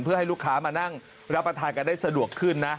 เพื่อให้ลูกค้ามานั่งรับประทานกันได้สะดวกขึ้นนะ